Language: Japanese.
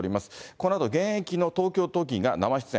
このあと現役の東京都議が生出演。